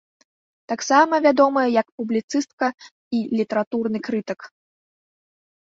Таксама вядомая як публіцыстка і літаратурны крытык.